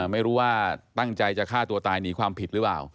ไม่รู้ว่าตั้งใจจะฆ่าตัวตายหนีความผิดหรือเปล่า